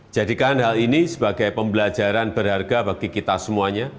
jadikan hal ini sebagai pembelajaran berharga bagi kita semuanya